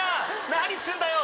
何すんだよ